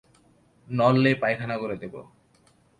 নড়লেই পায়খানা করে দেবো।